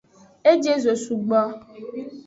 E je zo sugbo.